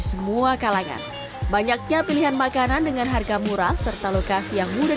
semua kalangan banyaknya pilihan makanan dengan harga murah serta lokasi yang mudah